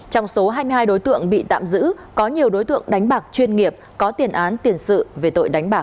trong số hai mươi hai đối tượng bị tạm giữ có nhiều đối tượng đánh bạc chuyên nghiệp có tiền án tiền sự về tội đánh bạc